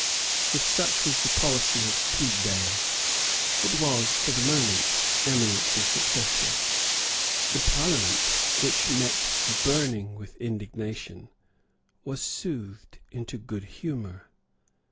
If such was the policy of Tweeddale, it was, for the moment, eminently successful. The Parliament, which met burning with indignation, was soothed into good humour.